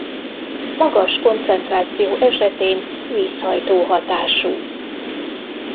Magas koncentráció esetén vízhajtó hatású.